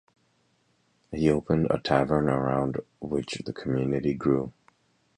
He opened a tavern around which the community grew.